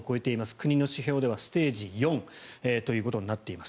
国の指標ではステージ４となっています。